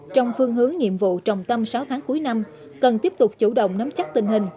trong phương hướng nhiệm vụ trọng tâm sáu tháng cuối năm cần tiếp tục chủ động nắm chắc tình hình